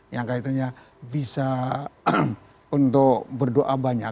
yang kaitannya bisa untuk berdoa banyak